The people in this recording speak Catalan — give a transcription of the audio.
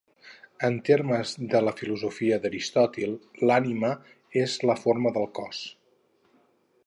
En termes de la filosofia d'Aristòtil: l'ànima és la forma del cos.